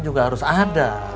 juga harus ada